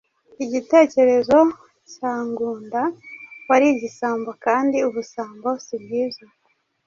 Igitekerezo cya Ngunda wari igisambo kandi ubusambo Si bwiza.